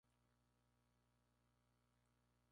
El aeropuerto de Tromsø se localiza en el oeste de la isla.